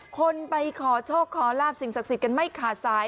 คนไปขอโชคขอลาบสิ่งศักดิ์สิทธิ์กันไม่ขาดสาย